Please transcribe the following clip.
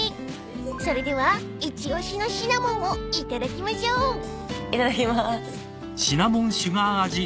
［それでは一押しのシナモンを頂きましょう］いただきます。